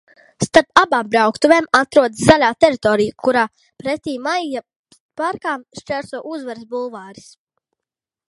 Starp abām brauktuvēm atrodas zaļā teritorija, kuru pretīm Maija parkam šķērso Uzvaras bulvāris.